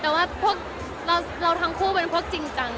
แต่ว่าพวกเราทั้งคู่เป็นพวกจริงจัง